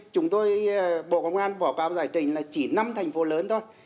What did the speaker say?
chúng tôi bộ công an bỏ cáo giải trình là chỉ năm thành phố lớn thôi